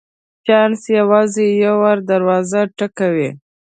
چانس یوازي یو وار دروازه ټکوي .